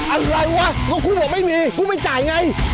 อะไรวะกูบอกไม่มีกูไม่จ่ายไง